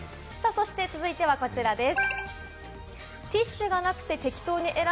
続いてはこちらです。